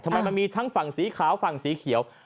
มันมีทั้งฝั่งสีขาวฝั่งสีเขียว